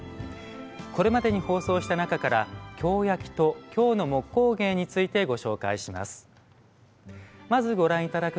これまでに放送した中から「京焼」と「京の木工芸」についてご紹介します。